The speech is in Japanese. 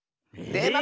⁉でま